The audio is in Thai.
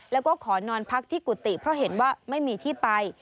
แล้วก็ขอนอนพักที่กุฏิเพราะเห็นว่าไม่มีที่ไป